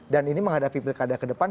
dan ini menghadapi pilkada kedepan